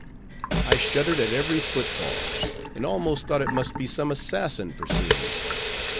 I shuddered at every footfall, and almost thought it must be some assassin pursuing me.